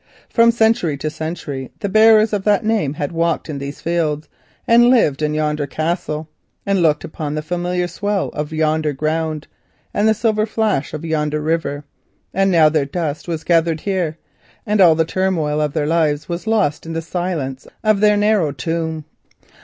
From century to century the bearers of that name had walked in these fields, and lived in yonder Castle, and looked upon the familiar swell of yonder ground and the silver flash of yonder river, and now their ashes were gathered here and all the forgotten turmoil of their lives was lost in the silence of those narrow tombs.